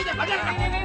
aduh kurang ajar nih